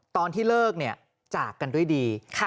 ตอนที่เลิกเนี่ยจากกันด้วยดีค่ะค่ะ